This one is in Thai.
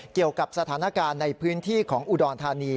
เกี่ยวกับสถานการณ์ในพื้นที่ของอุดรธานี